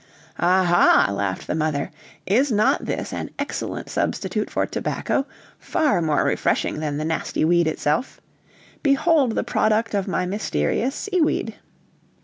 "Aha," laughed the mother, "is not this an excellent substitute for tobacco, far more refreshing than the nasty weed itself. Behold the product of my mysterious seaweed."